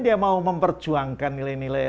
dia mau memperjuangkan nilai nilai